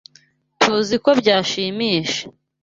TUZI ko byanshimisha.